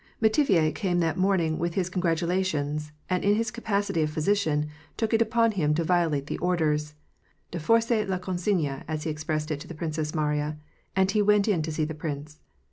Metivier came that morning with his congratulations, and in his capacity of physician took it upon him to violate the orders, de forcer la consigney as he expressed it to the Princess Mariya, and he went in to see the prince.